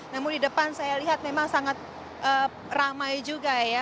namun di depan saya lihat memang sangat ramai juga ya